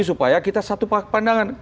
supaya kita satu pandangan